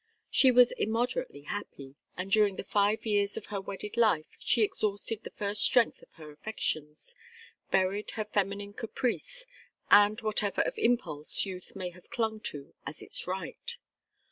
She was immoderately happy, and during the five years of her wedded life she exhausted the first strength of her affections, buried her feminine caprice, and whatever of impulse youth may have clung to as its right.